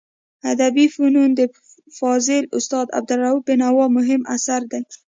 ادبي فنون د فاضل استاد عبدالروف بینوا مهم اثر دی.